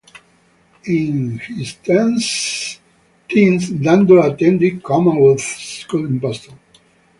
In his teens Dando attended Commonwealth School in Boston.